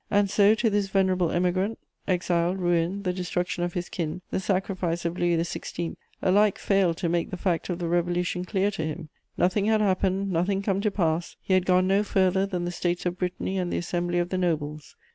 And so, to this venerable Emigrant, exile, ruin, the destruction of his kin, the sacrifice of Louis XVI. alike failed to make the fact of the Revolution clear to him; nothing had happened, nothing come to pass; he had gone no farther than the States of Brittany and the Assembly of the Nobles.